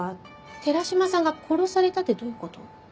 寺島さんが殺されたってどういうこと？